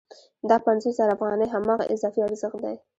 دا پنځوس زره افغانۍ هماغه اضافي ارزښت دی